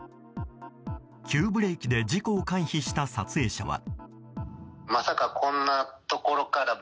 急ブレーキで事故を回避した撮影者は。